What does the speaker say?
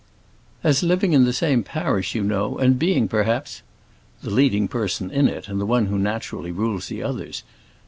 "As living in the same parish, you know, and being, perhaps " the leading person in it, and the one who naturally rules the others.